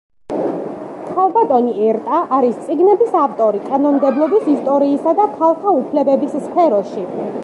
ქალბატონი ერტა არის წიგნების ავტორი კანონმდებლობის, ისტორიის და ქალთა უფლებების სფეროში.